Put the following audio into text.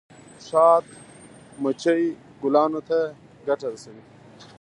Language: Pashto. شات مچۍ ګلانو ته ګټه رسوي